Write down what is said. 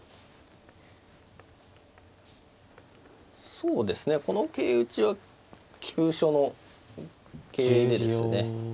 そうですねこの桂打ちは急所の桂でですね